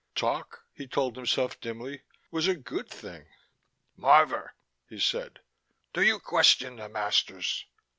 Talk, he told himself dimly, was a good thing. "Marvor," he said, "do you question the masters?"